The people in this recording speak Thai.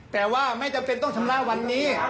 แต่ว่าไม่จำเป็นต้องชำระวันนี้